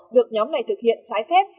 được nhóm này thực hiện trái phép